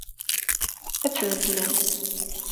Ad tt-beddlen.